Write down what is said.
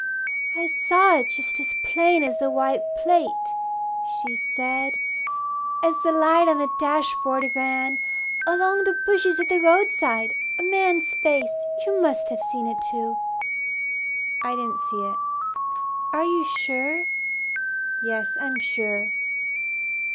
"I saw it just as plain as a white plate," She said, "as the light on the dashboard ran Along the bushes at the roadside a man's face. You must have seen it too." "I didn't see it. Are you sure " "Yes, I'm sure!"